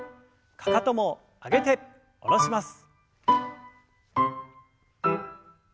かかとも上げて下ろします。